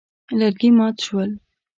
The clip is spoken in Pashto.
لرګي مات شول.